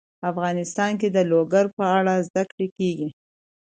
افغانستان کې د لوگر په اړه زده کړه کېږي.